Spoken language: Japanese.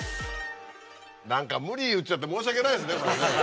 何か無理言っちゃって申し訳ないですねこれね。